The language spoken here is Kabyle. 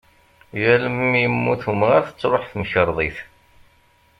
Yal mi yemmut umɣar tettruḥ temkerḍit.